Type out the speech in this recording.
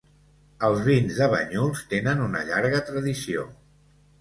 Els vins de Banyuls tenen una llarga tradició.